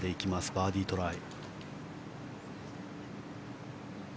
バーディートライ。